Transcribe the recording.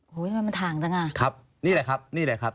ใช่ครับนี่ล่ะครับ